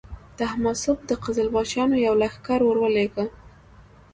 تهماسب د قزلباشانو یو لښکر ورولېږه.